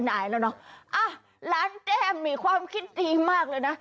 อ่ะหลานแต้มมีความคิดดีมากเลยนะ